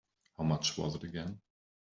How much was it again?